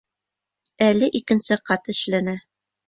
Әле икенсе ҡат эшләнә.